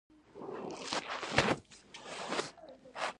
په بل مخ کې یو متن و چې عنوان یې درلود